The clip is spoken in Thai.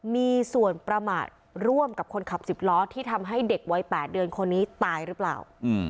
มีส่วนประมาทร่วมกับคนขับ๑๐ล้อที่ทำให้เด็กวัย๘เดือนคนนี้ตายหรือเปล่า